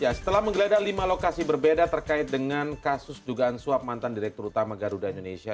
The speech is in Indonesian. setelah menggeledah lima lokasi berbeda terkait dengan kasus dugaan suap mantan direktur utama garuda indonesia